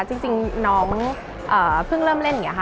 จริงน้องเพิ่งเริ่มเล่นอย่างนี้ค่ะ